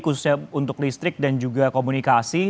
khususnya untuk listrik dan juga komunikasi